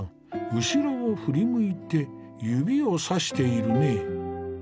後ろを振り向いて指をさしているね。